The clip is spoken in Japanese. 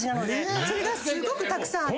それがすごくたくさんあって。